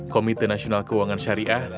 komite nasional keuangan syariah